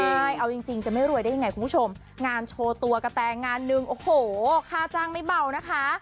ใช่เอาจริงจะไม่รวยได้ยังไงคุณผู้ชมงานโชว์ตัวกระแตงงานหนึ่งโอ้โหค่าจ้างไม่เบานะคะ